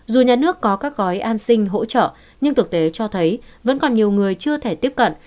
dù nhà nước có các gói an sinh hỗ trợ nhưng thực tế cho thấy vẫn còn nhiều người chưa thể tiếp cận